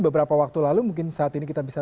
beberapa waktu lalu mungkin saat ini kita bisa